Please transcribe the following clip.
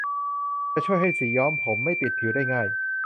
จะช่วยให้สีย้อมผมไม่ติดผิวได้ง่าย